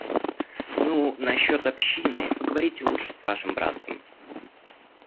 Ну, насчет общины, поговорите лучше с вашим братцем.